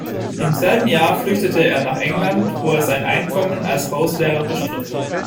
Im selben Jahr flüchtete er nach England, wo er sein Einkommen als Hauslehrer bestritt.